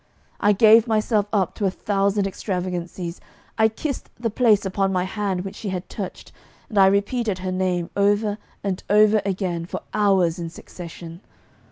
I gave myself up to a thousand extravagancies. I kissed the place upon my hand which she had touched, and I repeated her name over and over again for hours in succession.